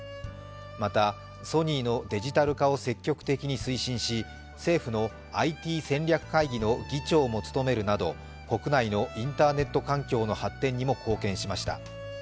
またソニーのデジタル化を積極的に推進し政府のＩＴ戦略会議の議長も務めるなど国内のインターネット環境の発展にも貢献しました。